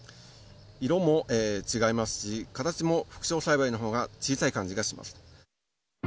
色も違いますし形も副梢栽培の方が小さい感じがします。